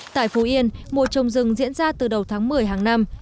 tại phú yên mùa trồng rừng diễn ra từ đầu tháng một mươi hàng năm